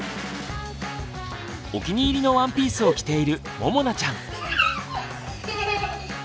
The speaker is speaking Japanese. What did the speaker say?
お気に入りのワンピースを着ているももなちゃん。